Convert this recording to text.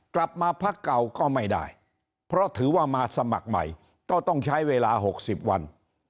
กลับมาพักเก่าก็ไม่ได้เพราะถือว่ามาสมัครใหม่ก็ต้องใช้เวลา๖๐วัน